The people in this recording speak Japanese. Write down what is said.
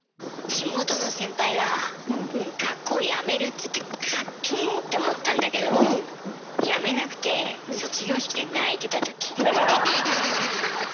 地元の先輩が学校やめるっつってかっけぇ！って思ったんだけどやめなくて卒業式で泣いてたとき。